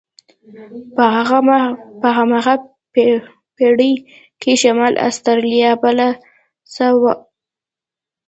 په هماغه پېړۍ کې شمالي استرالیا بله ساحه وه.